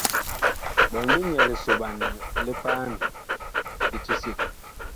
Ɓɔɔn big nyɛɛ lisoɓanɛ li paan kiti sig.